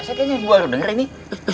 saya kayaknya gue denger ini